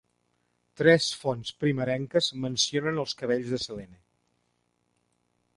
Tres fonts primerenques mencionen els cabells de Selene.